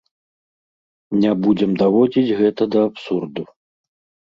Не будзем даводзіць гэта да абсурду.